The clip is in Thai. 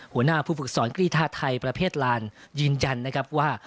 หัวหน้าผู้ฝึกสอนกรีธาไทยประเภทลานยืนยันนะครับว่า